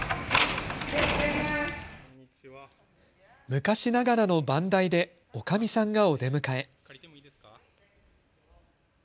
昔ながらの番台でおかみさんがお出迎え。